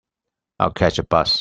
I'll catch a bus.